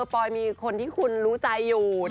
ปอยมีคนที่คุณรู้ใจอยู่